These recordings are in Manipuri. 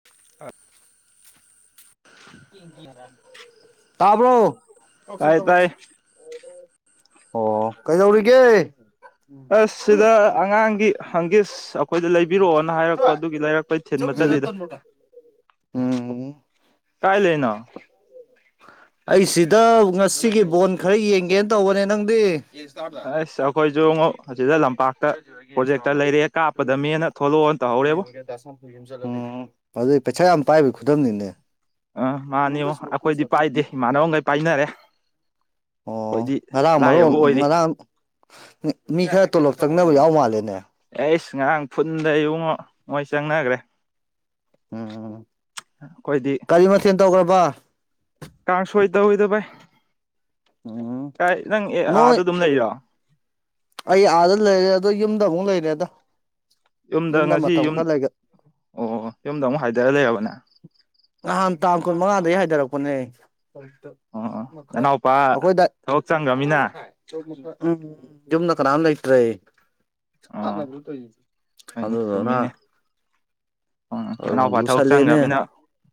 [unintelligible] ꯇꯥꯕ꯭ꯔꫭ ꯇꯥꯏ ꯇꯥꯏ ꯑꯣ ꯀꯩꯗꯧꯔꯤꯒꯦ ꯑꯁ ꯁꯤꯗ ꯑꯉꯥꯡꯒꯤ ꯍꯪꯒꯤꯁ ꯑꯩꯈꯣꯏꯗ ꯂꯩꯕꯤꯔꯛꯑꯣꯅ ꯍꯥꯏꯔꯛꯄ ꯑꯗꯨꯒꯤ ꯂꯩꯔꯛꯄꯩ ꯊꯤꯟꯕ ꯆꯠꯂꯤꯗ ꯎꯝ ꯀꯥꯏ ꯂꯩꯅꯣ ꯑꯩ ꯁꯤꯗ ꯉꯁꯤꯒꯤ ꯕꯣꯟ ꯈꯔ ꯌꯦꯡꯒꯦꯅ ꯇꯧꯕꯅꯦ ꯅꯪꯗꯤ ꯑꯁ ꯑꯩꯈꯣꯏꯖꯨꯉꫭ ꯑꯁꯤꯗ ꯂꯝꯄꯥꯛꯇ ꯄ꯭ꯔꯣꯖꯦꯛꯇꫪ ꯂꯩꯔꯦ ꯀꯥꯞꯄꯗ‌ꯃ‌ꯦꯅ ꯊꯣꯂꯣꯅ ꯍꯧꯇꯧꫪ‌ꯦꯕꯣ ꯑꯪ ꯄꯩꯁꯥ ꯌꯥꯝ ꯄꯥꯏꯕꯒꯤ ꯈꯨꯗꯝꯅꯤꯅꯦ ꯑ ꯃꯥꯅꯤꯉꯣ ꯑꯩꯈꯣꯏꯗꯤ ꯄꯥꯏꯗꯦ ꯏꯃꯥꯟꯅꯕꯈꯩ ꯄꯥꯏꯅꯔꯦ ꯑꯣ ꯑꯩꯈꯣꯏꯗꯤ ꯉꯔꯥꯡ ꯃꯔꯣ ꯂꯥꯏꯔꯕ ꯑꯣꯏꯔꯤ ꯉꯔꯥꯡ ꯃꯤ ꯈꯔ ꯇꯣꯂꯣꯞ ꯆꯪꯅꯕ ꯌꯥꯎ ꯃꯥꯜꯂꯦꯅꯦ ꯑꯩꯁ ꯉꯔꯥꯡ ꯐꯨꯟꯗ ꯏꯕꯨꯡꯉꫭ ꯃꯣꯏ ꯆꯪꯅꯒ꯭ꫪ‌ꯦ ꯎꯝ ꯑꯩꯈꫭꯏꯗꯤ ꯀꯔꯤ ꯃꯊꯦꯜ ꯇꯧꯒ꯭ꯔꯕ ꯀꯥꯥꯡꯁꫭꯏ ꯇꯧꯋꯤꯗ ꯕꯥꯏ ꯑꯝ ꯀꯥꯏ ꯅꯪ ꯑꯦ ꯑꯥꯗ ꯑꯗꯨꯝ ꯂꯩꯔꯤꫪꫭ ꯑꯩ ꯑꯥꯗ ꯂꯩꯔꯦ ꯑꯗꯣ ꯌꯨꯝꯗ ꯑꯃꯨꯛ ꯂꯩꯔꯦꯗ ꯌꯨꯝꯗ ꯉꯁꯤ ꯃꯇꯝ ꯌꯨꯝ ꯈꯔ ꯂꯩꯒ ꯑꯣ ꯌꯨꯝꯗ ꯑꯃꯨꯛ ꯍꯥꯏꯊꯔ ꯂꯩꯔꯕ ꯅꯪ ꯅꯍꯥꯟ ꯇꯥꯡ ꯀꯨꯟ ꯃꯉꯥꯗꯒꯤ ꯍꯥꯏꯊꯔꯛꯄꯅꯦ ꯑꯣ ꯃꯈꯥꯏ ꯅꯅꯥꯎꯄꯥ ꯑꯩꯈꯣꯏꯗ ꯊꯕꯛ ꯃꯉꯥ ꯆꯪꯈ꯭ꯔꯃꯤꯅ ꯃꯈꯥꯏ ꯌꯨꯝꯗ ꯀꯅꯥꯝ ꯂꯩꯏꯇꯤꯌꯦ [unintelligible] ꯑꯣ ꯍꯣꯏꯅꯦ ꯑꯗꯨꯗꯨꯅ ꯆꯨꯝꯃꯤꯅꯦ ꯎꯝ ꯑꯗꯨ ꯅꯅꯥꯎꯄꯥ ꯊꯕꯛ ꯂꯨꯁꯜꯂꯦꯅꯦ ꯆꯪꯈ꯭ꯔꯅꯤꯅ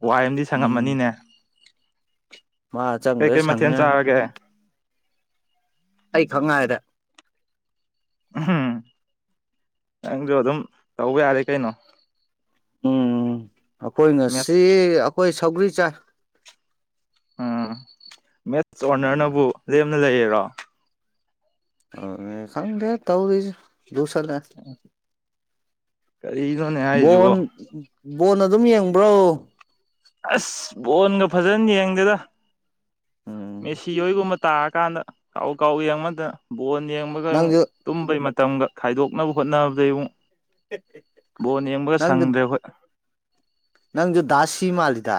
ꯋꯥꯏ ꯑꯃꯗꯤ ꯎꯝ ꯁꯪꯉꯝꯃꯅꯤꯅꯦ ꯃꯥ ꯀꯩ ꯆꯪꯈ꯭ꯔꯦ ꯀꯩ ꯃꯊ‌ꯦꯟ ꯁꯪꯉꯦ ꯆꯥꫪꯒꯦ ꯑꯩ ꯈꯪ ꯉꯥꯏꫪ‌ꯦ ꯎꯝ ꯅꯪꯖꯨ ꯑꯗꯨꯝ ꯇꯧꯕ ꯌꯥꯔꯦ ꯀꯩꯅꯣ ꯎꯝ ꯑꯩꯈꯣꯏ ꯃꯦꯠꯁ ꯉꯁꯤ ꯑꯩꯈꯣꯏ ꯁꯧꯒꯔꯤ ꯆꯥꯏ ꯎꯝ ꯃꯦꯠꯁ ꯎꯝ ꯑꯣꯅꯔꯁꯅꯕꯨ ꯂꯦꯝꯅ ꯂꯩꯌꯦꯔꯣ ꯑ ꯈꯪꯗꯦ ꯇꯧꯔꯤꯁꯦ ꯂꯨꯁꯤꯜꯂꯦ ꯑꯣ ꯀꯥꯔꯤꯅꯣꯅꯦ ꯕꯣꯟ ꯕꯣꯟ ꯑꯗꯨꯝ ꯌꯦꯡꯕ꯭ꯔꯣ ꯑꯁ ꯕꯣꯟꯒ ꯐꯖꯅ ꯌꯦꯡꯗꯦꯗ ꯎꯝ ꯃꯦꯁꯤ ꯍꯣꯏꯒꯨꯝꯕ ꯇꯥꯔ ꯀꯥꯟꯗ ꯀꯥꯎ ꯀꯥꯎ ꯌꯦꯡꯕꯗꯅ ꯕꯣꯟ ꯌꯦꯡꯕꯒ ꯅꯪꯁꯨ ꯇꯨꯝꯕꯩ ꯃꯇꯝꯒ ꯈꯥꯏꯗꯣꯛꯅꯕ ꯍꯣꯠꯅꯕꯗꯩ ꯑꯃꯨꯛ ꯕꯣꯟ ꯌꯦꯡꯕꯒ ꯅꯪꯁꯨ ꯁꯪꯗ꯭ꯔꯦ ꯍꯣꯏ ꯅꯪꯁꯨ ꯗꯥꯁꯤ ꯃꯥꯂꯤꯗ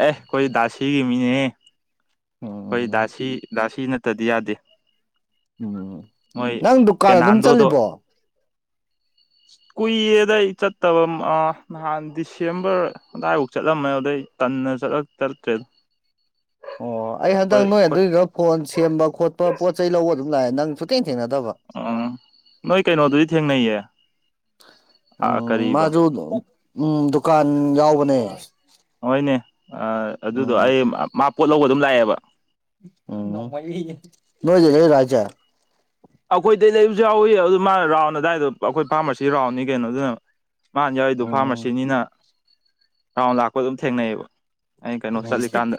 ꯑꯦ ꯑꯩꯈꯣꯏ ꯗꯥꯁꯤꯒꯤ ꯃꯤꯅꯦ ꯑꯩꯈꯣꯏ ꯎꯝ ꯗꯥꯁꯤ ꯗꯥꯁꯤ ꯅꯠꯇꯗꯤ ꯌꯥꯗꯦ ꯎꯝ ꯃꯣꯏ ꯅꯪ ꯗꯨꯀꯥꯟ ꯑꯗꯨꯝ ꯄꯦꯅꯥꯟꯗꯣꯗꯣ ꯆꯠꯂꯤꯕꯣ ꯀꯨꯏ ꯔꯦꯗ ꯑꯩ ꯆꯠꯇꯕꯝ ꯑ ꯅꯍꯥꯟ ꯗꯤꯁꯦꯝꯕꯔ ꯑꯗꯨꯋꯥꯏꯐꯥꯎ ꯆꯠꯂꯝꯃꯦ ꯑꯗꯨꯗꯩ ꯇꯟꯅ ꯆꯠꯂ ꯆꯠꯇ꯭ꯔꯦꯗ ꯑꯣ ꯑꯩ ꯑꯩꯈꯣꯏ ꯍꯟꯗꯛ ꯅꯣꯏ ꯑꯩꯈꯣꯏ ꯑꯗꯨꯏꯗꯨꯒ ꯐꯣꯟ ꯁꯦꯝꯕ ꯈꯣꯠꯄ ꯄꯣꯠ ꯆꯩ ꯂꯧꯕ ꯑꯗꯨꯝ ꯂꯥꯛꯑꯦ ꯅꯪꯁꯨ ꯊꯦꯡ ꯊꯦꯡꯅꯗꯕ ꯑ ꯅꯣꯏ ꯀꯩꯅꯣꯗꯨꯗꯤ ꯊꯦꯡꯅꯩꯌꯦ ꯑꯥ ꯎꯝ ꯀꯔꯤꯕ [unintelligible] ꯎꯝ ꯗꯨꯀꯥꯟ ꯌꯥꯎꯕꯅꯦ ꯍꯣꯏꯅꯦ ꯑ ꯑꯗꯨꯗꯣ ꯎꯝ ꯑꯩ ꯃꯥ ꯄꯣꯠ ꯂꯧꯕ ꯑꯗꯨꯝ ꯂꯥꯛꯑꯦꯕ ꯑꯣ ꯅꯧꯃꯟꯂꯤꯌꯦ ꯅꯣꯏꯗ ꯍꯦꯛꯏꯔ ꯍꯥꯏꯖꯦ ꯑꯈꯣꯏꯗꯩ ꯂꯩꯕꯁꯨ ꯌꯥꯎꯏ ꯑꯗꯨ ꯃꯥꯅ ꯔꯥꯎꯟ ꯑꯗꯨꯗꯥꯏꯗꯣ ꯑꯈꯣꯏ ꯐꯥꯔꯃꯥꯁꯤ ꯔꯥꯎꯟꯅꯤ ꯀꯩꯅꯣ ꯑꯗꯨꯅ ꯃꯥꯅ ꯌꯥꯎꯔꯤꯗꯣ ꯎꯝ ꯐꯥꯔꯃꯥꯁꯤꯅꯤꯅ ꯔꯥꯎꯟ ꯂꯥꯛꯄ ꯑꯗꯨꯝ ꯊꯦꯡꯅꯩꯌꯦꯕ ꯑꯩꯅ ꯀꯩꯅꯣ ꯆꯠꯂꯤꯀꯥꯟꯗ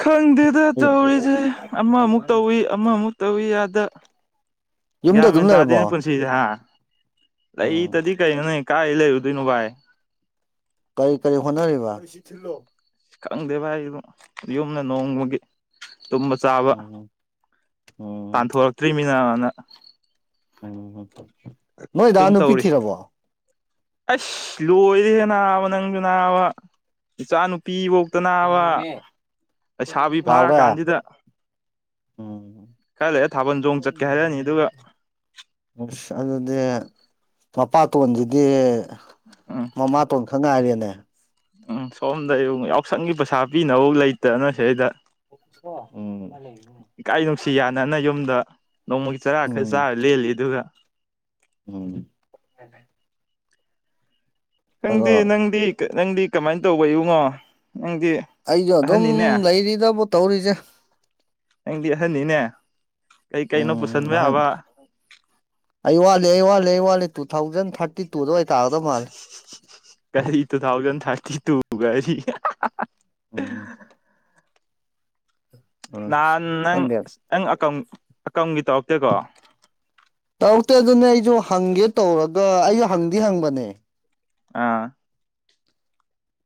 ꯈꯪꯗꯦꯗ ꯇꯧꯔꯤꯁꯦ ꯑꯃꯃꯨꯛ ꯇꯧꯏ ꯑꯃꯃꯨꯛ ꯇꯧꯏ ꯌꯗꯥ ꯌꯨꯝꯗ ꯑꯗꯨꯝ ꯒ꯭ꯌꯥꯟꯃꯦꯟ ꯇꯥꯗꯦꯅꯦ ꯂꯩꯔꯕꯣ ꯄꯨꯟꯁꯤꯖꯦ ꯍꯥ ꯎꯝ ꯂꯩꯇꯗꯤ ꯀꯩꯅꯣꯅꯦ ꯀꯥꯏ ꯂꯩꯔꯨꯗꯣꯏꯅꯣ ꯚꯥꯏ ꯀꯔꯤ ꯀꯔꯤ ꯍꯣꯠꯅꯔꯤꯕ ꯈꯪꯗꯦ ꯚꯥꯏ ꯏꯕꯣ ꯌꯨꯝꯗ ꯅꯣꯡꯃꯒꯤ ꯇꯨꯝꯕ ꯆꯥꯕ ꯎꯝ ꯎꯝ ꯇꯥꯟꯊꯣꯔꯛꯇ꯭ꯔꯤꯃꯤꯅꯅ ꯎꯝ ꯅꯣꯏ ꯗꯥ ꯅꯨꯄꯤ ꯊꯤꯔꯕꯣ ꯑꯩꯁ ꯂꯣꯏꯔꯍꯦ ꯅꯥꯕ ꯅꯪꯁꯨ ꯅꯥꯕ ꯏꯆꯥ ꯅꯨꯨꯄꯤꯕꯧꯇꯅꯥꯕ ꯂꯩꯁꯥꯕꯤ ꯐꯥꯔ ꯆꯥꯎꯔꯦ ꯀꯥꯟꯖꯤꯗ ꯎꯝ ꯈꯔ ꯂꯩ ꯊꯥꯕꯜ ꯆꯣꯡ ꯆꯠꯀꯦ ꯍꯥꯏꯔꯅꯤ ꯑꯗꯨꯒ ꯑꯁ ꯑꯗꯨꯗꯤ ꯃꯄꯥꯇꯣꯟꯗꯨꯗꯤ ꯎꯝ ꯃꯃꯥꯇꯣꯟ ꯈꯛ ꯉꯥꯏꯔꯦꯅꯦ ꯎꯝ ꯁꯣꯝꯗ ꯏꯕꯨꯡꯉꯣ ꯌꯥꯎꯁꯪꯒꯤ ꯄꯩꯁꯥ ꯄꯤꯅꯕꯧ ꯂꯩꯇꯅ ꯁꯤꯗꯩꯗ ꯎꯝ ꯏꯀꯥꯏ ꯅꯨꯡꯁꯤ ꯌꯥꯅꯅ ꯌꯨꯝꯗ ꯅꯣꯡꯃꯒꯤ ꯆꯔꯥ ꯈꯔ ꯎꯝ ꯆꯥꯔ ꯂꯦꯜꯂꯤ ꯑꯗꯨꯒ ꯎꯝ ꯅꯪꯗꯤ ꯑꯗꯣ ꯅꯪꯗꯤ ꯅꯪꯗꯤ ꯀꯃꯥꯏꯅ ꯇꯧꯕ ꯏꯕꯨꯡꯉꯣ ꯅꯪꯗꯤ ꯑꯩꯁꯨ ꯑꯗꯨꯝ ꯑꯍꯟꯅꯤꯅꯦ ꯂꯩꯔꯤꯗꯕꯨ ꯇꯧꯔꯤꯖꯦ ꯅꯪꯗꯤ ꯑꯍꯟꯅꯤꯅꯦ ꯀꯩ ꯀꯩꯅꯣ ꯎꯝ ꯄꯨꯁꯟꯕ ꯑꯍꯟ ꯌꯥꯕ ꯑꯩ ꯋꯥꯠꯂꯤ ꯑꯩ ꯋꯥꯠꯂꯤ ꯑꯩ ꯋꯥꯠꯂꯤ ꯇꯨ ꯊꯥꯎꯖꯟ ꯊꯥꯔꯇꯤ ꯇꯨꯗ ꯑꯣꯏ ꯇꯥꯒꯗꯕ ꯃꯥꯜꯂꯦ ꯀꯔꯤ ꯇꯨ ꯊꯥꯎꯖꯟ ꯊꯥꯔꯇꯤ ꯇꯨ ꯀꯔꯤ ꯎꯝ ꯎꯝ ꯅꯍꯥꯟ ꯅꯪ ꯈꯪꯗꯦ ꯅꯪ ꯑꯀꯝ ꯑꯀꯝꯒꯤ ꯇꯧꯔꯛꯇꯦꯀꯣ ꯇꯧꯔꯛꯇꯦ ꯑꯗꯨꯅꯦ ꯑꯩꯁꯨ ꯍꯪꯒꯦ ꯇꯧꯔꯒ ꯑꯩ ꯍꯪꯗꯤ ꯍꯪꯕꯅꯦ ꯑꯥ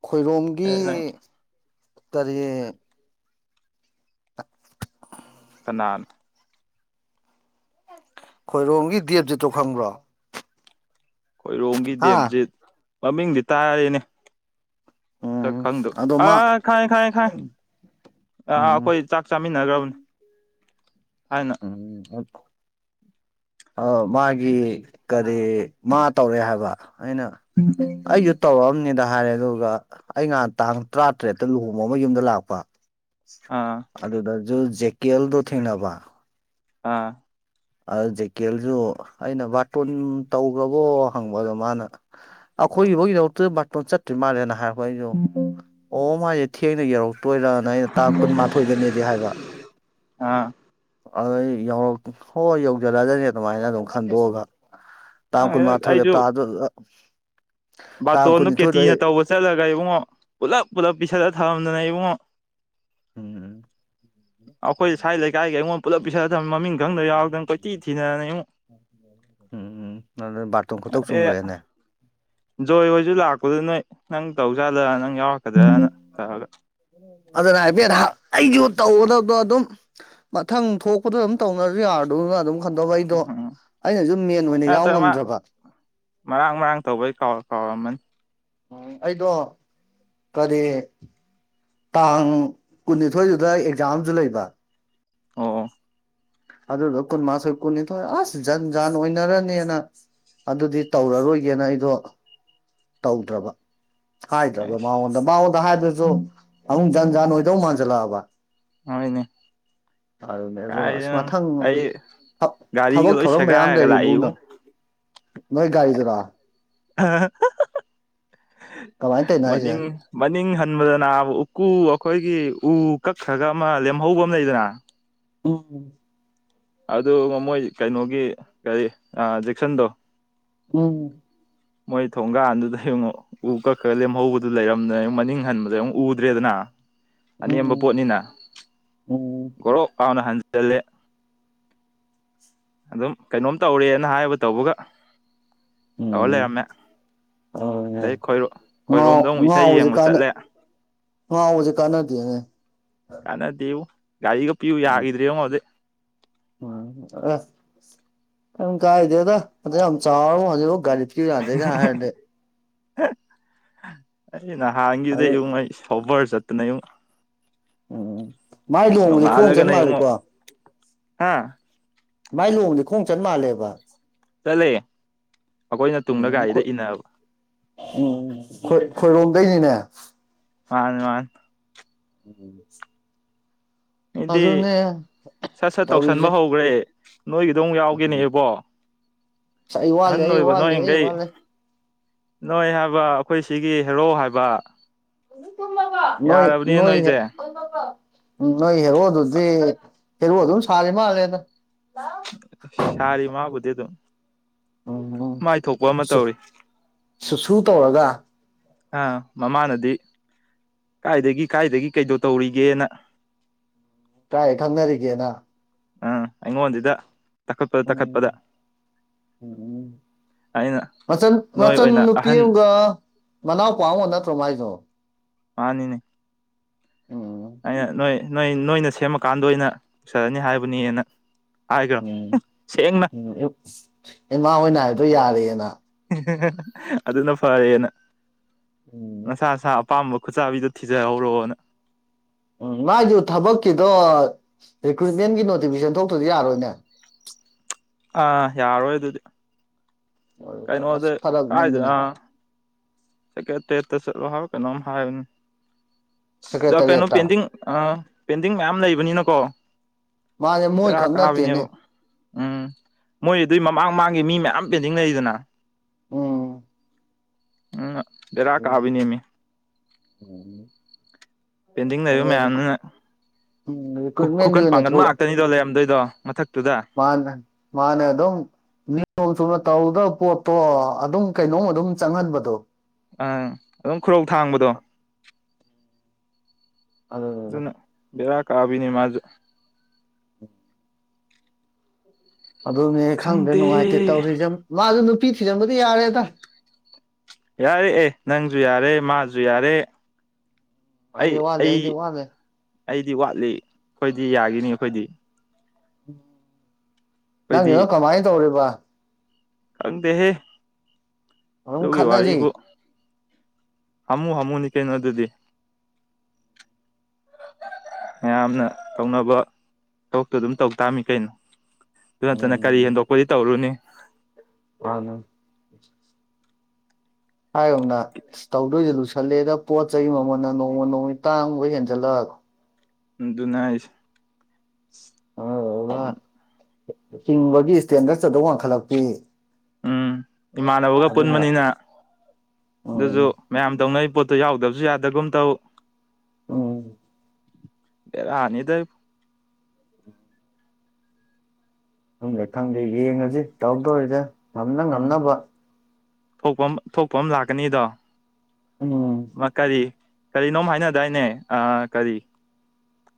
ꯈꯣꯏꯔꯣꯝꯒꯤ ꯑꯦ ꯅꯪ ꯀꯔꯤ ꯀꯅꯥꯅꯣ ꯈꯣꯏꯔꯣꯝꯒꯤ ꯗꯦꯞꯖꯤꯠ ꯇꯣ ꯈꯪꯕ꯭ꯔꯣ ꯈꯣꯏꯔꯣꯝꯒꯤ ꯍꯥ ꯗꯦꯞꯖꯤꯠ ꯃꯃꯤꯡꯗꯤ ꯇꯥꯔꯦꯅꯦ ꯃꯁꯛ ꯎꯝ ꯈꯪꯗꯕ ꯑꯗꯣ ꯃꯥ ꯑꯥ ꯈꯪꯉꯦ ꯈꯪꯉꯦ ꯈꯪꯉꯦ ꯑꯥ ꯎꯝ ꯑꯈꯣꯏ ꯆꯥꯛ ꯆꯥꯃꯤꯟꯅꯒ꯭ꯔꯕꯅꯤ ꯍꯥꯏꯅ ꯎꯝ ꯑ ꯃꯥꯒꯤ ꯀꯔꯤ ꯃꯥ ꯇꯧꯔꯦ ꯍꯥꯏꯕ ꯑꯩꯅ ꯑꯩꯖꯨ ꯇꯧꯔꯛꯑꯝꯅꯤꯗ ꯍꯥꯏꯔꯦ ꯑꯗꯨꯒ ꯑꯩ ꯉꯍꯥꯟ ꯇꯥꯡ ꯇꯔꯥꯇꯔꯦꯠꯇ ꯂꯨꯍꯣꯡꯕ ꯑꯃ ꯌꯨꯝꯗ ꯂꯥꯛꯄ ꯑꯥ ꯑꯗꯨꯗꯖꯨꯜ ꯖꯦꯀꯦꯜꯗꯣ ꯊꯦꯡꯅꯕ ꯑꯥ ꯑ ꯖꯦꯀꯦꯜꯁꯨ ꯑꯩꯅ ꯕꯥꯔꯇꯣꯟ ꯇꯧꯈ꯭ꯔꯕꯣ ꯍꯪꯕ ꯑꯗꯣ ꯃꯥꯅ ꯑꯩꯈꯣꯏꯒꯤꯐꯧ ꯌꯧꯔꯛꯇ꯭ꯔꯤ ꯕꯥꯔꯇꯣꯟ ꯆꯠꯇ꯭ꯔꯤ ꯃꯥꯜꯂꯦꯅ ꯍꯥꯏꯔꯛꯄ ꯑꯩꯗꯣ ꯑꯣ ꯃꯥꯁꯦ ꯊꯦꯡꯅ ꯌꯧ [unintelligible] ꯑꯩꯅ ꯇꯥꯡ ꯀꯨꯟꯃꯥꯊꯣꯏꯗꯅꯦꯗꯤ ꯍꯥꯏꯕ ꯑꯥ ꯑꯗꯨ ꯑꯩ ꯌꯥꯎ ꯍꯣꯏ ꯌꯧꯖꯜꯂꯛꯒꯅꯤ ꯑꯗꯨꯃꯥꯏꯅ ꯑꯗꯨꯝ ꯈꯟꯗꯣꯛꯑꯒ ꯇꯥꯡ ꯈꯪꯗꯦꯗ ꯀꯨꯜꯃꯊꯣꯢꯒꯦ ꯇꯥ ꯑꯗꯨꯒ ꯕꯥꯇꯣꯟꯗꯨ ꯀꯦꯇꯤꯅ ꯇꯧꯕ ꯆꯠꯂꯒ ꯏꯕꯨꯡꯉꯣ ꯄꯨꯂꯞ ꯄꯨꯜꯂꯞ ꯄꯤꯁꯜꯂ ꯊꯥꯅꯝꯗꯅ ꯏꯕꯨꯡꯉꯣ ꯎꯝ ꯎꯝ ꯑꯩꯈꯣꯏ ꯁ꯭ꯋꯥꯏ ꯂꯩꯀꯥꯏꯒꯤ ꯑꯩꯉꯣꯟꯗ ꯄꯨꯂꯞ ꯄꯤꯁꯜ ꯃꯃꯤꯡ ꯈꯪꯗ ꯌꯥꯎꯔꯗꯪ ꯀꯣꯏꯇꯤ ꯊꯤꯅꯗꯅ ꯢꯉꯣ ꯎꯝ ꯎꯝ ꯑꯗꯨ ꯕꯥꯔꯇꯣꯟ ꯈꯨꯇꯧ ꯑꯦ ꯆꯨꯝꯈ꯭ꯔꯦꯅꯦ ꯖꯣꯏ ꯍꯣꯏꯁꯨ ꯂꯥꯛꯄꯗꯨ ꯅꯣꯏ ꯅꯪ ꯇꯧꯖꯥꯠꯂꯥ ꯅꯪ ꯌꯥꯎꯔꯝꯀꯗ꯭ꯔꯅ ꯇꯧꯔꯒ ꯑꯗꯨꯅ ꯍꯥꯏꯐꯦꯠ ꯑꯩꯁꯨ ꯇꯧꯒꯗꯕꯗꯣ ꯑꯗꯨꯝ ꯃꯊꯪ ꯊꯣꯛꯄꯗ ꯑꯗꯨꯝ ꯇꯧꯅꯔꯁꯨ ꯌꯥꯕꯗꯨ ꯑꯗꯨꯝ ꯈꯟꯗꯥꯛ ꯑꯩꯗꯣ ꯎꯝ ꯑꯩꯅꯁꯨ ꯃꯦꯟ ꯑꯣꯏꯅ ꯌꯥꯎ ꯅꯠꯇ꯭ꯔ ꯃꯥ ꯉꯝꯗ꯭ꯔꯕ ꯃꯔꯥꯡ ꯃꯔꯥꯡ ꯇꯧꯕꯩ ꯀꯥꯎ ꯀꯥꯎꯔꯝꯃꯅꯤ ꯑꯩꯗꯣ ꯀꯔꯤ ꯇꯥꯡ ꯀꯨꯟꯅꯤꯊꯣꯏꯗꯨꯗ ꯑꯦꯛꯖꯥꯝꯁꯨ ꯂꯩꯕ ꯑꯣ ꯑꯣ ꯑꯗꯨꯗꯧ ꯀꯨꯟꯃꯊꯣꯏ ꯀꯨꯟꯅꯤꯊꯣꯏ ꯑꯁ ꯖꯟ ꯖꯥꯟ ꯑꯣꯏꯅꯔꯅꯤꯅ ꯑꯗꯨꯗꯤ ꯇꯧꯔꯔꯣꯏꯒꯦꯅ ꯑꯩꯗꯣ ꯇꯧꯗ꯭ꯔꯕ ꯍꯥꯏꯗ꯭ꯔꯕ ꯑꯩꯁ ꯃꯉꯣꯟꯗ ꯑꯗ ꯃꯉꯣꯟꯗ ꯍꯥꯏꯕꯗꯨꯁꯨ ꯑꯃꯨꯛ ꯖꯟ ꯖꯥꯟ ꯑꯣꯏꯗꯧ ꯃꯥꯟꯁꯤꯜꯂꯛꯑꯕ ꯍꯣꯏꯅꯦ ꯑꯗꯨꯅꯦ ꯑꯗꯣ ꯑꯁ ꯀꯥꯏꯗꯩꯅꯣ ꯃꯊꯪ ꯑꯩ ꯒꯥꯔꯤꯒ ꯊꯕꯛ ꯂꯣꯏ ꯊꯧꯔꯝ ꯃꯌꯥꯝ ꯁꯦꯒꯥꯏꯔꯒ ꯂꯩꯔꯤꯕꯣ ꯂꯥꯛꯏꯕꯨ ꯅꯣꯏ ꯒꯥꯔꯤꯗꯨꯔꯥ ꯀꯃꯥꯏꯅ ꯇꯧꯔꯤꯅꯣ ꯍꯥꯏꯁꯦ ꯃꯅꯤꯡ ꯃꯅꯤꯡ ꯍꯟꯕꯗ ꯅꯥꯕ ꯎꯀꯨ ꯑꯩꯈꯣꯏꯒꯤ ꯎ ꯀꯛꯈ꯭ꯔꯒ ꯑꯃ ꯂꯦꯝꯍꯧꯕ ꯑꯃ ꯂꯩꯗꯅ ꯎꯝ ꯑꯗꯨ ꯃꯣꯏ ꯀꯩꯅꯣꯒꯤ ꯀꯔꯤ ꯖꯦꯛꯁꯟꯗꯣ ꯎꯝ ꯃꯣꯏ ꯊꯣꯡꯒꯥꯥꯟꯗꯨꯗ ꯢꯕꯨꯡꯉꯣ ꯎ ꯀꯛꯈ꯭ꯔꯒ ꯂꯦꯝꯍꯧꯕꯗꯨ ꯂꯩꯔꯝꯗꯅ ꯃꯅꯤꯡ ꯍꯟꯕꯗ ꯑꯃꯨꯛ ꯎꯗ꯭ꯔꯦꯗꯅ ꯑꯅꯦꯝꯕ ꯎꯝ ꯄꯣꯠꯅꯤꯅ ꯎꯝ ꯒꯣꯔꯣꯛ ꯂꯥꯎꯅ ꯍꯟꯖꯤꯜꯂꯦ ꯑꯗꯨꯝ ꯀꯩꯅꯣꯝ ꯇꯧꯔꯦꯅ ꯍꯥꯏꯕ ꯇꯧꯕꯒ ꯇꯧꯔ ꯎꯝ ꯂꯩꯔꯝꯃꯦ ꯑꯗꯨꯅꯦ ꯑꯗꯩ ꯈꯣꯏꯔ ꯉꯥꯎ ꯈꯣꯏꯔꯣꯝꯗ ꯑꯃꯨꯛ ꯏꯁꯩ ꯌꯦꯡꯕ ꯆꯠꯂꯦ ꯉꯧꯕꯁꯤ ꯀꯥꯟꯅꯗꯦꯅꯦ ꯀꯥꯟꯅꯗꯦꯉꯣ ꯒꯥꯔꯤꯒ ꯄꯤꯌꯨ ꯎꯝ ꯌꯥꯈꯤꯗ꯭ꯔꯦꯉꯣ ꯑꯗꯩ ꯀꯥꯏꯗꯦꯗ ꯑꯗꯧꯛ ꯌꯥꯝ ꯆꯥꯎꯔꯕꯨ ꯍꯧꯖꯤꯛꯐꯥꯎ ꯒꯔꯤ ꯄꯤꯌꯨ ꯌꯥꯗꯦꯒ ꯍꯥꯢꯔꯗꯤ ꯑꯩ ꯑꯗꯨ ꯅꯍꯥꯟꯈꯤꯗꯨꯗꯩ ꯑꯩ ꯁꯣꯕꯔ ꯆꯠꯇꯅ ꯢꯕꯨꯡꯉꯣ ꯎꯝ ꯃꯥꯏ ꯂꯨꯍꯣꯡꯕꯗꯤ ꯈꯣꯡ ꯅꯣꯡꯉꯥꯜꯂꯒ ꯆꯟ ꯂꯩ ꯢꯕꯨꯡꯉꯣ ꯃꯥꯜꯂꯦꯀꯣ ꯃꯥꯏ ꯂꯨꯍꯣꯡꯕꯗꯤ ꯈꯣꯡ ꯆꯠ ꯃꯥꯜꯂꯦꯕ ꯆꯠꯂꯦ ꯑꯩꯈꯣꯏꯅ ꯇꯨꯡꯗ ꯎꯝ ꯒꯥꯔꯤꯗ ꯈꯣꯏ ꯏꯟꯅꯕ ꯎꯝ ꯈꯣꯏ ꯈꯣꯏꯔꯣꯝꯗꯩꯅꯤꯅꯦ꯫ ꯃꯥꯅꯦ ꯃꯥꯅꯦ꯫ ꯎꯝ꯫ ꯑꯩꯗꯤ ꯁꯠ ꯁꯠ ꯇꯧꯁꯟꯕ ꯇꯧꯔꯤꯖꯦ ꯍꯧꯈ꯭ꯔꯦ ꯅꯣꯏꯒꯤꯗꯣ ꯑꯃꯨꯛ ꯌꯥꯎꯒꯦꯅꯦ ꯎꯝ ꯢꯕꯣ꯫ ꯑꯁ ꯑꯩ ꯋꯥꯠꯂꯤ ꯑꯍꯟ ꯑꯩ ꯑꯣꯏꯕ ꯋꯥꯠꯂꯤ ꯑꯩ ꯅꯣꯏꯈꯩ ꯋꯥꯠꯂꯤ ꯅꯣꯏ ꯍꯥꯏꯕ ꯑꯩꯈꯣꯏ ꯁꯤꯒꯤ ꯍꯦꯔꯣ ꯍꯥꯏꯕ꯫ ꯇꯨꯝꯃꯕꯣ ꯅꯣꯏ ꯌꯥꯔꯕꯅꯤ ꯅꯣꯏ ꯅꯣꯏꯁꯦ [unintelligible] ꯎꯝ ꯅꯣꯏ ꯍꯦꯔꯣ ꯑꯗꯨꯗꯤ ꯍꯦꯔꯣ ꯑꯗꯨꯝ ꯁꯥꯔꯤ ꯃꯥꯜꯂꯦꯗ꯫ ꯁꯥꯔꯤ ꯃꯥꯕꯨꯗꯤ ꯑꯗꯨꯝ ꯎꯝ ꯎꯝ ꯃꯥꯏꯊꯣꯛꯄ ꯑꯃ ꯇꯧꯔꯤ꯫ ꯁꯨ ꯁꯨ ꯇꯧꯔꯒ꯫ ꯑ ꯃꯃꯥꯅꯗꯤ ꯀꯥꯏꯗꯒꯤ ꯀꯥꯏꯗꯒꯤ ꯀꯩꯗꯣ ꯇꯧꯔꯤꯒꯦꯅ꯫ ꯀꯥꯏ ꯈꯪꯅꯔꯤꯒꯦꯅ꯫ ꯑꯥ ꯑꯩꯉꯣꯟꯗꯤꯗ ꯇꯛꯈꯠꯄꯗ ꯎꯝ ꯇꯛꯈꯠꯄꯗ꯫ ꯎꯝ ꯑꯩꯅ ꯃꯆꯟ ꯅꯣꯏ ꯃꯆꯟ ꯑꯣꯏꯅ ꯅꯨꯄꯤ ꯑꯍꯟ ꯑꯃꯒ ꯃꯅꯥꯎꯄꯥ ꯑꯃꯒ ꯅꯠꯇ꯭ꯔꯣ ꯃꯥꯏꯗꯣ꯫ ꯃꯥꯅꯤꯅꯦ꯫ ꯎꯝ꯫ ꯑꯩꯅ ꯅꯣꯏ ꯅꯣꯏ ꯅꯣꯏꯅ ꯁꯦꯝꯃꯀꯥꯟꯗ ꯑꯣꯏꯅ ꯄꯨꯁꯜꯂꯅꯤ ꯍꯥꯏꯕꯅꯤꯅ꯫ ꯍꯥꯢꯒ꯭ꯔꯝ ꯎꯝ ꯍꯨꯝ ꯁꯦꯡꯅ꯫ ꯎꯝ ꯑꯌꯨꯛ ꯏꯃꯥ ꯍꯣꯏꯅ ꯍꯥꯏꯕꯗꯣ ꯌꯥꯔꯦꯅ꯫ [unintelligible] ꯑꯗꯨꯅ ꯐꯔꯦꯅ ꯎꯝ ꯅꯁꯥ ꯁꯥꯥꯞ ꯄꯥꯝꯕ ꯈꯨꯠꯆꯥꯥꯕꯤꯗꯣ ꯊꯤꯖꯍꯧꯔꯣꯅ꯫ ꯎꯝ ꯃꯥꯢꯖꯨ ꯊꯕꯛꯀꯤꯗꯣ ꯔꯤꯀ꯭ꯔꯨꯏꯠꯃꯦꯟꯒꯤ ꯅꯣꯇꯤꯕꯤꯖꯟ ꯊꯣꯛꯇ꯭ꯔꯗꯤ ꯌꯥꯔꯣꯏꯅꯦ꯫ ꯑꯥ ꯌꯥꯔꯣꯏ ꯑꯗꯨꯗꯤ꯫ ꯀꯩꯅꯣꯗ ꯑꯁ ꯀꯥꯢꯗ ꯐꯔꯛꯅꯤꯗꯅ ꯑ ꯁꯦꯀꯦꯇꯦꯠꯇ ꯆꯠꯂꯣ ꯍꯥꯏꯕꯔ ꯀꯩꯅꯣꯝ ꯍꯥꯏꯕꯅꯤ ꯖ ꯀꯩꯅꯣ ꯁꯦꯀ꯭ꯔꯦꯇꯔꯤꯌꯦꯠꯇ ꯄꯦꯟꯗꯤꯡ꯫ ꯑꯥ ꯄꯦꯟꯗꯤꯡ ꯃꯌꯥꯝ ꯂꯩꯕꯅꯤꯅꯀꯣ ꯃꯥꯁꯦ ꯃꯣꯏ ꯕꯦꯔꯥ ꯈꯛ ꯅꯠꯇꯦꯅꯦ ꯀꯥꯕꯤꯅꯦꯕ꯫ ꯎꯝ ꯃꯣꯏ ꯑꯗꯨꯏ ꯃꯃꯥꯡ ꯃꯃꯥꯡꯒꯤ ꯃꯤ ꯃꯌꯥꯝ ꯄꯦꯟꯗꯤꯡ ꯂꯩꯗꯅ꯫ ꯎꯝ꯫ ꯎꯝ ꯑ ꯎꯝ ꯕꯦꯔꯀꯥꯕꯤꯅꯦꯃꯤ꯫ ꯄꯦꯟꯗꯤꯡ ꯎꯝ ꯂꯩꯕ ꯃꯌꯥꯝꯗꯨꯅ꯫ ꯈꯨ ꯔꯤꯀ꯭ꯔꯨꯏꯠꯃꯦꯟꯒꯤ ꯈꯨꯀꯟ ꯑꯣꯏꯅ ꯄꯥꯡꯒꯟꯕ ꯊꯣꯛꯂꯛ ꯉꯥꯛꯇꯅꯤꯗꯣ ꯂꯩꯔꯝꯗꯣꯏꯗꯣ ꯃꯊꯛꯇꯨꯗ꯫ ꯃꯥꯅ ꯃꯥꯅꯑꯗꯨꯝ꯫ ꯅꯤꯌꯣꯝ ꯆꯨꯝꯅ ꯇꯧꯗꯧ ꯄꯣꯠꯇꯣ ꯑꯗꯨꯝ ꯀꯩꯅꯣꯝ ꯑꯗꯨꯝ ꯆꯪꯍꯟꯕꯗꯣ꯫ ꯑꯪ ꯑꯗꯨꯝ ꯈꯨꯔꯧ ꯊꯥꯡꯕꯗꯣ꯫ ꯑꯗꯨꯗꯨꯅ ꯑꯗꯨꯅ ꯕꯦꯔꯥ ꯀꯕꯤꯅꯦ ꯃꯥꯖꯨ꯫ ꯑꯗꯨꯅꯦ ꯈꯪꯗ꯭ꯔꯦ ꯅꯨꯡꯉꯥꯏꯇꯦ ꯈꯪꯗꯦ ꯇꯧꯔꯤꯖꯦꯝ ꯃꯥꯖꯨ ꯅꯨꯄꯤ ꯊꯤꯖꯟꯕꯗꯤ ꯌꯥꯔꯦꯗ꯫ ꯌꯥꯔꯦ ꯑꯦ ꯅꯪꯖꯨ ꯌꯥꯔꯦ ꯃꯥꯖꯨ ꯌꯥꯔꯦ꯫ ꯑꯩ ꯋꯥꯠꯂꯤ ꯑꯩ ꯑꯩꯗꯤ ꯋꯥꯠꯂꯤ ꯑꯩꯗꯤ ꯋꯥꯠꯂꯤ ꯈꯣꯏꯗꯤ ꯌꯥꯒꯤꯅꯤ ꯑꯈꯣꯏꯗꯤ꯫ ꯑꯩꯈꯣꯏꯗꯤ ꯅꯪꯒꯤꯗꯨꯅ ꯀꯃꯥꯏꯟ ꯇꯧꯔꯤꯕ꯫ ꯈꯪꯗꯦꯍꯦ ꯑꯗꯨꯝ ꯑꯗꯨꯒꯤ ꯋꯥꯔꯤꯕꯨ꯫ ꯈꯠꯅꯔꯤ ꯍꯃꯨ ꯍꯃꯨꯅꯤ ꯀꯩꯅꯣ ꯑꯗꯨꯗꯤ꯫ ꯃꯌꯥꯝꯅ ꯇꯧꯅꯕ ꯊꯕꯛꯇꯨ ꯑꯗꯨꯝ ꯇꯧ ꯇꯥꯝꯃꯤ ꯀꯩꯅꯣ꯫ ꯗꯨ ꯅꯠꯇꯅ ꯀꯔꯤ ꯎꯝ ꯍꯦꯟꯗꯣꯛꯄꯗꯤ ꯇꯧꯔꯨꯅꯤ꯫ ꯃꯥꯅꯦ꯫ ꯍꯥꯏꯒꯨꯝꯅ ꯇꯧꯗꯣꯏꯖꯦ ꯂꯨꯁꯜꯂꯦꯗ ꯄꯣꯠ ꯆꯩ ꯃꯃꯟꯅ ꯅꯣꯡꯃ ꯅꯣꯡꯃꯩ ꯇꯥꯡꯃꯕ ꯍꯦꯟꯖꯜꯂꯛ꯫ ꯑꯗꯨꯅ ꯍꯥꯢꯖꯦ ꯑꯗꯨꯗꯨꯅ ꯑꯣꯝ꯫ ꯍꯤꯡꯕꯒꯤ ꯏꯁꯇꯦꯟꯗꯔ ꯆꯠꯗꯧ ꯋꯥꯡꯈꯠꯂꯛꯄꯤ꯫ ꯎꯝ ꯏꯃꯥꯟꯅꯕꯒ ꯑꯗꯨꯅ ꯄꯨꯟꯕꯅꯤꯅ ꯎꯝ ꯑꯗꯨꯖꯨ꯫ ꯃꯌꯥꯝ ꯇꯧꯅꯩ ꯄꯣꯠꯇꯣ ꯌꯥꯎꯗꯕꯖꯨ ꯌꯥꯗꯒꯨꯝ ꯇꯧ꯫ ꯎꯝ ꯕ‌ꯦꯔꯅꯤꯗ ꯈꯪꯗꯦ ꯈꯪꯗꯦ ꯌꯦꯡꯉꯁꯤ ꯇꯧꯗꯧꯔꯤꯔ ꯉꯝꯅ ꯎꯝ ꯉꯝꯅꯕ ꯊꯣꯛꯄ ꯑꯃ ꯊꯣꯛꯄ ꯑꯃ ꯂꯥꯛꯀꯅꯤꯗꯣ ꯎꯝ ꯑꯃꯥ ꯀꯔꯤ ꯀꯔꯤꯅꯣꯝ ꯍꯥꯏꯅꯗꯥꯏꯅꯦ ꯑꯥ ꯀꯔꯤ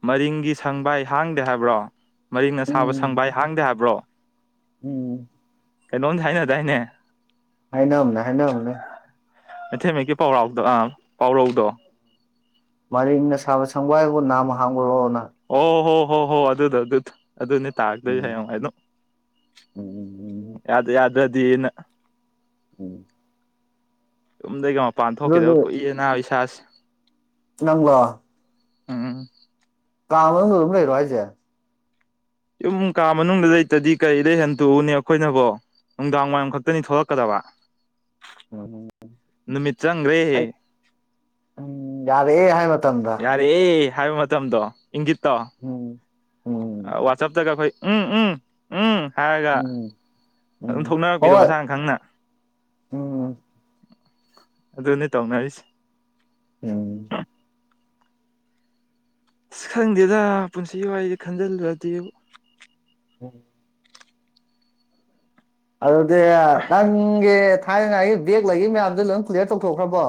ꯃꯔꯤꯡꯒꯤ ꯁꯪꯕꯥꯏ ꯍꯥꯡꯗꯦ ꯍꯥꯏꯕ꯭ꯔꯣ ꯃꯔꯤꯡꯅ ꯁꯥꯕ ꯎꯝ ꯁꯪꯕꯥꯏ ꯍꯥꯡꯗꯦ ꯍꯥꯏꯕ꯭ꯔꯣ ꯎꯝ ꯀꯩꯅꯣꯝꯗꯤ ꯍꯥꯏꯅꯗꯥꯏꯅꯦ ꯍꯥꯏꯅꯕꯅ‌ꯦ ꯍꯥꯏꯅꯕꯅ‌ꯦ ꯃꯩꯇꯩ ꯃꯌ‌ꯦꯛꯀꯤ ꯄꯥꯎꯔꯥꯎꯗ ꯑ ꯄꯥꯎꯔꯧꯗꯣ ꯃꯔꯤꯡꯅ ꯁꯥꯕ ꯁꯪꯕꯥꯏꯕꯨ ꯅꯥꯝꯃ ꯍꯥꯡꯕꯔ‌ꯣꯅ ꯑꯣ ꯍꯣ ꯍꯣ ꯍꯣ ꯑꯗꯨꯗ‌ꯣ ꯑꯗꯨꯗ‌ꯣ ꯑꯗꯨꯅꯦ ꯇꯥꯔꯛꯇꯣꯏꯁ‌ꯦ ꯎꯝ ꯍꯌꯦꯡꯋꯥꯏ ꯑꯗꯨꯝ ꯎꯝ ꯎꯝ ꯎꯝ ꯌꯥꯗ ꯌꯥꯗ꯭ꯔꯗꯤꯅ ꯎꯝ ꯌꯨꯝꯗꯒꯤ ꯃꯄꯥꯟ ꯑꯗꯨꯗꯤ ꯊꯣꯛꯈꯤꯗꯕ ꯀꯨꯏꯔ‌ꯦꯅꯥ ꯏꯁꯥꯁꯦ ꯅꯪꯂ‌ꯣ ꯎꯝ ꯀꯥ ꯃꯅꯨꯡꯗ ꯑꯗꯨꯝ ꯂꯩꯔ‌ꯣ ꯍꯥꯏꯁ‌ꯦ ꯌꯨꯝ ꯀꯥ ꯃꯅꯨꯡꯗ ꯂꯩꯇꯗꯤ ꯀꯔꯤꯗ ꯍꯟꯇꯣꯛꯎꯅꯦ ꯑꯩꯈꯣꯏꯅꯕꯨ ꯅꯨꯡꯗꯥꯡ ꯋꯥꯏꯔꯝ ꯈꯛꯇꯅꯤ ꯊꯣꯛꯂꯛꯀꯗꯕ ꯎꯝ ꯅꯨꯃꯤꯠ ꯆꯪꯈ꯭ꯔꯦ ꯑꯩ ꯎꯝ ꯌꯥꯔꯦꯍ‌ꯦ ꯍꯥꯏ ꯃꯇꯝꯗ ꯌꯥꯔꯦꯍ‌ꯦ ꯍꯥꯏꯕ ꯃꯇꯝꯗꯣ ꯏꯪꯒꯤꯠꯇꯣ ꯎꯝ ꯎꯝ ꯋꯥꯆꯞꯇꯒ ꯑꯩꯈꯣꯏ ꯎꯝ ꯎꯝ ꯎꯝ ꯍꯥꯏꯔꯒ ꯎꯝ ꯑꯗꯨꯝ ꯎꯝ ꯊꯣꯛꯅꯔꯛꯄꯤꯗꯣ ꯍꯣꯏ ꯃꯁꯥꯅ ꯈꯪꯅ ꯎꯝ ꯑꯗꯨꯅ‌ꯦ ꯇꯧꯅꯔꯤꯁ‌ꯦ ꯎꯝ ꯑꯁ ꯈꯪꯗꯦꯗ ꯄꯨꯟꯁꯤꯒꯤ ꯋꯥꯔꯤꯁ‌ꯦ ꯈꯟꯖꯤꯜꯂꯨꯔꯗꯤ ꯎꯝ ꯑꯗꯨꯗꯤ ꯅꯪꯒꯤ ꯊꯥꯏꯅꯉꯥꯏꯒꯤ ꯑꯩ ꯕꯦꯛ ꯂꯩꯈꯤ ꯃꯌꯥꯝꯗꯨ ꯂꯣꯏ ꯀꯂꯤꯌꯥꯔ ꯇꯧꯊꯣꯛꯈ꯭ꯔꯕꯣ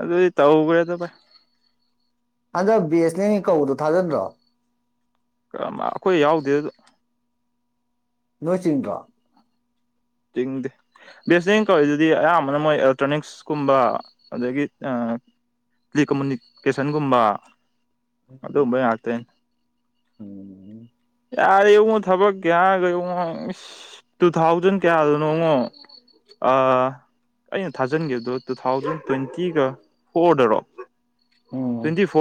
ꯑꯗꯨꯗꯤ ꯇꯧꯈꯔ‌ꯦꯗ‌ ꯚꯥꯏ ꯍꯟꯗꯛ ꯕꯤ ꯑꯦꯁ ꯅꯦꯟꯒꯤ ꯀꯧꯕꯗꯣ ꯊꯥꯖꯟꯗ꯭ꯔꯣ ꯑꯩꯈꯣꯏ ꯌꯥꯎꯗꯦꯗ ꯅꯣꯏ ꯆꯤꯡꯗ꯭ꯔꯣ ꯆꯤꯡꯗ‌ꯦ ꯕꯤ ꯑꯦꯁ ꯅꯦꯟꯒꯤ ꯀꯧꯏꯔꯤꯗꯨꯗꯤ ꯑꯌꯥꯝꯕꯅ ꯃꯣꯏ ꯑꯦꯂꯦꯛꯇ꯭ꯔꯣꯅꯤꯛꯁꯀꯨꯝꯕ ꯑꯗꯒꯤ ꯇꯦꯂꯤꯀꯃꯨꯅꯤꯀꯦꯁꯟꯒꯨꯝꯕ ꯑꯗꯨꯒꯨꯝꯕꯩ ꯉꯥꯛꯇꯅꯤ ꯎꯝ [unintelligible] ꯌꯥꯔꯦ ꯏꯕꯨꯉꯣ ꯊꯕꯛ ꯍꯥꯏꯔꯒ ꯌꯦꯡꯉꯣ ꯏꯁ ꯇꯨ ꯊꯥꯎꯖꯟ ꯀꯌꯥꯗꯅꯣ ꯌꯦꯡꯉꯣ ꯑꯥ ꯑꯩꯅ ꯊꯥꯖꯤꯟꯈꯤꯕꯗꯨꯕꯨ ꯇꯨꯊꯥꯎꯖꯟ ꯇ꯭ꯋꯦꯟꯇꯤꯒ ꯐꯣꯔꯗꯔꯣ ꯎꯝ ꯇ꯭ꯋꯦꯟꯇꯤ ꯐꯣꯔ